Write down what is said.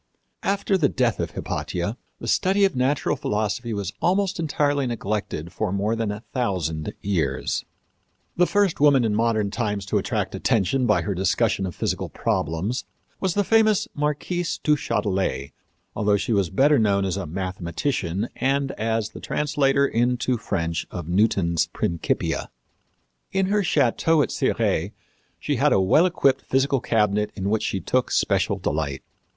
After the death of Hypatia, the study of natural philosophy was almost entirely neglected for more than a thousand years. The first woman in modern times to attract attention by her discussion of physical problems was the famous Marquise du Châtelet, although she was better known as a mathematician and as the translator into the French of Newton's Principia. In her château at Cirey she had a well equipped physical cabinet in which she took special delight.